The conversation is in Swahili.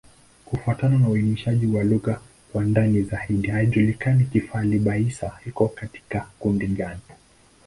Kufuatana na uainishaji wa lugha kwa ndani zaidi, haijulikani Kifali-Baissa iko katika kundi gani.